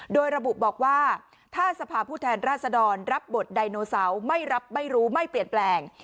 โดยระบุบอกว่าถ้าสภาพผู้แทนราชดรรับบทไดโนเสาร์ไม่รับไม่รู้ไม่เปลี่ยนแปลง